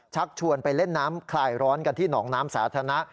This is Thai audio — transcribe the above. ชักชวนไปเล่นน้ำคลายร้อนกันที่หนองน้ำสาธารณะ